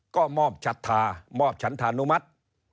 ก็มอบฉันธานุมัติ